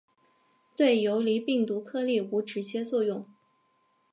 对游离病毒颗粒无直接作用。